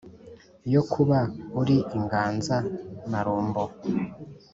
Yo kuba uri inganza -marumbo!